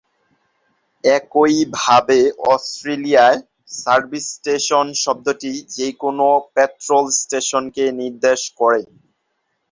একইভাবে, অস্ট্রেলিয়ায়, "service station" শব্দটি যে কোনও পেট্রোল স্টেশনকে নির্দেশ করে।